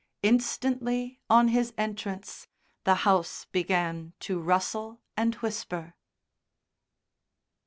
Instantly on his entrance the house began to rustle and whisper.